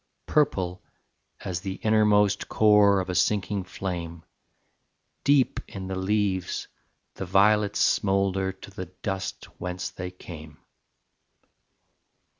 Purple as the innermost Core of a sinking flame, Deep in the leaves the violets smoulder To the dust whence they came.